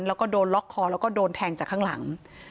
แล้วก็โดนล็อกคอแล้วก็โดนแทงจากข้างหลัง